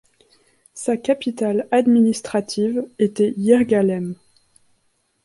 Sa capitale administrative était Yirgalem.